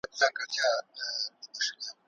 که په کارونو کي اخلاص وي نو برکت پکښي راځي.